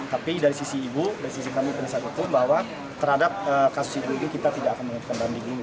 tapi dari sisi ibu dari sisi kami penyatakan bahwa terhadap kasus ibu ini kita tidak akan mengajukan banding